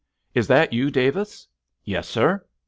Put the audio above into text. "Is that you, Davis?" "Yes, sir!"